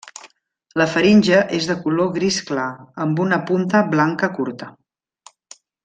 La faringe és de color gris clar, amb una punta blanca curta.